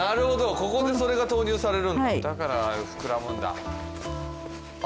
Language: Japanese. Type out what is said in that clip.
ここでそれが投入されるんだだからふくらむんだあ